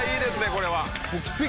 これは。